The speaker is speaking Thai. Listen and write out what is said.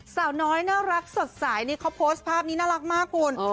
สาวน้อยน่ารักสดใสนี่เขาโพสต์ภาพนี้น่ารักมากคุณ